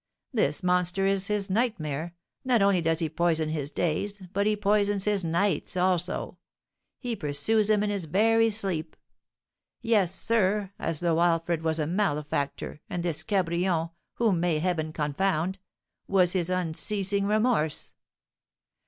This monster is his nightmare; not only does he poison his days, but he poisons his nights also, he pursues him in his very sleep; yes, sir, as though Alfred was a malefactor, and this Cabrion, whom may Heaven confound! was his unceasing remorse."